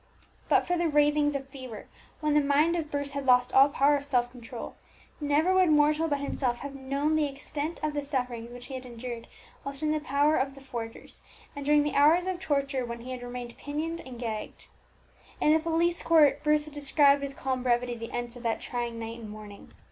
But for the ravings of fever, when the mind of Bruce had lost all power of self control, never would mortal but himself have known the extent of the sufferings which he had endured whilst in the power of the forgers, and during the hours of torture when he had remained pinioned and gagged. In the police court Bruce had described with calm brevity the events of that trying night and morning.